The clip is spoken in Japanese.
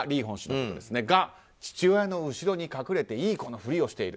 それが父親の後ろに隠れていい子のふりをしている。